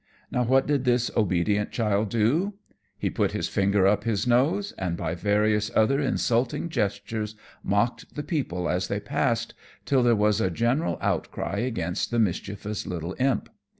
Now what did this obedient child do? He put his finger up to his nose, and by various other insulting gestures mocked the people as they passed, till there was a general outcry against the mischievous little imp.